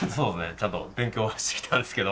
ちゃんと勉強はしてきたんですけど。